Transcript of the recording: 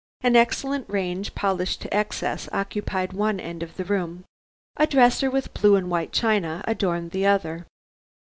An excellent range polished to excess occupied one end of the room; a dresser with blue and white china adorned the other.